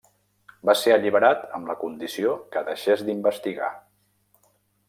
Va ser alliberat amb la condició que deixés d’investigar.